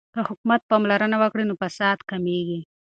که حکومت پاملرنه وکړي نو فساد کمیږي.